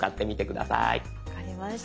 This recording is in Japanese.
分かりました。